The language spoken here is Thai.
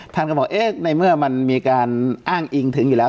ท่านก็บอกเอ๊ะในเมื่อมันมีการอ้างอิงถึงอยู่แล้ว